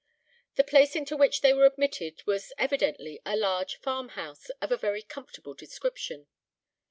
The place into which they were admitted, was evidently a large farm house of a very comfortable description.